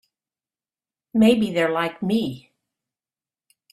Maybe they're like me.